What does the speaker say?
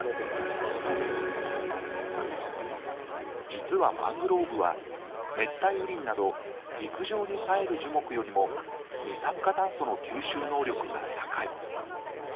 実はマングローブは熱帯雨林など陸上に生える樹木よりも二酸化炭素の吸収能力が高い。